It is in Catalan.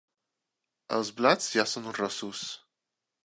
Els blats ja són rossos.